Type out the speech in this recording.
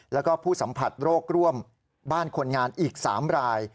แล้วก็ผู้สัมผัสโรคร่วมบ้านคนงานอีก๓ราย